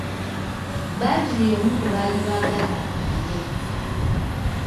Badru y'omu ku baali baagala agende.